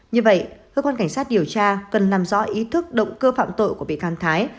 như vậy cơ quan cảnh sát điều tra cần làm rõ ý thức động cơ phạm tội của bị can thái